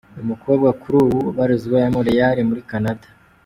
Uyu mukobwa kuri ubu ubarizwa i Montreal muri Canada.